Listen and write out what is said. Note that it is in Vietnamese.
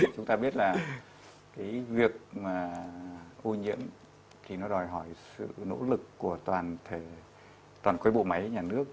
chúng ta biết là việc ô nhiễm đòi hỏi sự nỗ lực của toàn quế bộ máy nhà nước